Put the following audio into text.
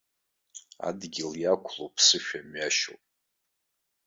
Адгьыл иақәлоу ԥсышәа мҩашьоуп.